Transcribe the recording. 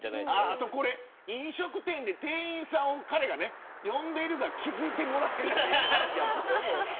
あと、飲食店で店員さんを呼んでいるが気付いてもらえない。